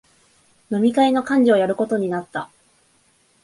飲み会の幹事をやることになった